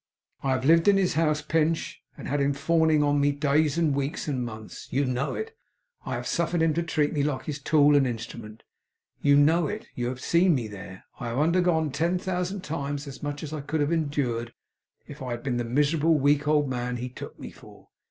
'I have lived in his house, Pinch, and had him fawning on me days and weeks and months. You know it. I have suffered him to treat me like his tool and instrument. You know it; you have seen me there. I have undergone ten thousand times as much as I could have endured if I had been the miserable weak old man he took me for.